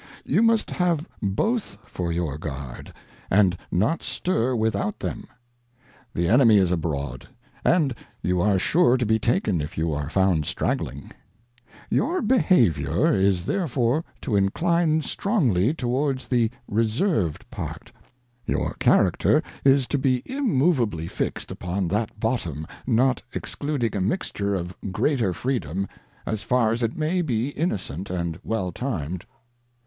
You must have both for your Guard, and not stir without them. The Enemy is abroad, and you are sure to be taken, if you are found stragling. Your Behaviour is therefore to inchne strongly towards the Reserved part; your Character is to be im — moveably 28 Advice to a Daughter. moveably fixed upon that Bottom, not excluding a mixture of greater freedom, as far as it may be innocent and well timed.